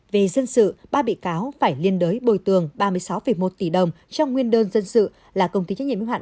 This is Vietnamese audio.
về dân sự ba bị cáo phải liên đối bồi tường ba mươi sáu một tỷ đồng trong nguyên đơn dân sự là công ty trách nhiệm hạn